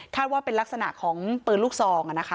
ว่าเป็นลักษณะของปืนลูกซองนะคะ